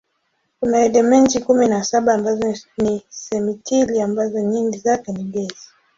Kuna elementi kumi na saba ambazo ni simetili ambazo nyingi zake ni gesi.